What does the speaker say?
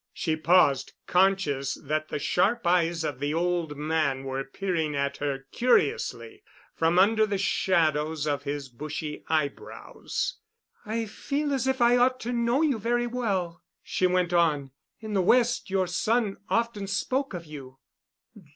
She paused, conscious that the sharp eyes of the old man were peering at her curiously from under the shadows of his bushy eyebrows. "I feel as if I ought to know you very well," she went on. "In the West your son often spoke of you."